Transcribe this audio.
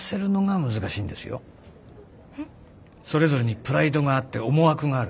それぞれにプライドがあって思惑がある。